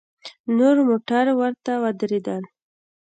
نور موټر ورته ودرېدل.